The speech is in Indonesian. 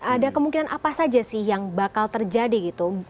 ada kemungkinan apa saja sih yang bakal terjadi gitu